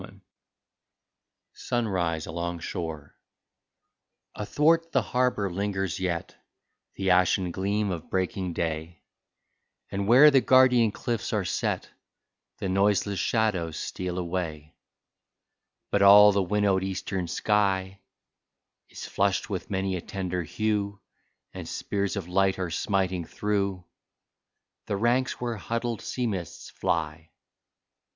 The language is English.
28 SUNRISE ALONG SHORE Athwart the harbor lingers yet The ashen gleam of breaking day, And where the guardian cliffs are set The noiseless shadows steal away; But all the winnowed eastern sky Is flushed with many a tender hue, And spears of light are smiting through The ranks where huddled sea mists fly.